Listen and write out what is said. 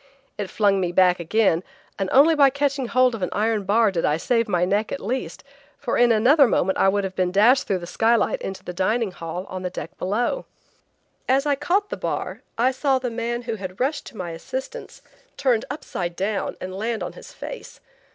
It flung me back again, and only by catching hold of an iron bar did I save my neck at least, for in another moment I would have been dashed through the skylight into the dining hall on the deck below. As I caught the bar, I saw the man who had rushed to my assistance turned upside down and land on his face.